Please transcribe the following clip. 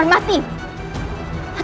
kemarin aku masih menghormati